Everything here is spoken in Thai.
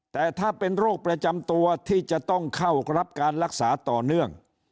แต่ถ้าเป็นโรคประจำตัวที่จะต้องเข้ารับการรักษาต่อเนื่อง